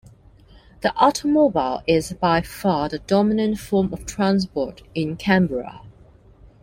The automobile is by far the dominant form of transport in Canberra.